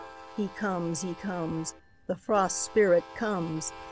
He comes, he comes, the Frost Spirit comes!